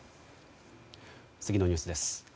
次のニュースです。